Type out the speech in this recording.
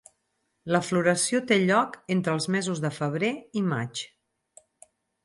La floració té lloc entre els mesos de febrer i maig.